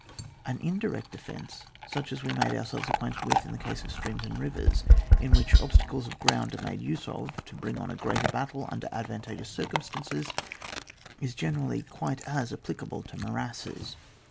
An indirect defenoe, such as we made ourselves acquainted with in the case of streams and rivers, in which obstacles of ground are made use of to bring on a great battle under advanta geous circumstances, is generally quite as applicable to morasses.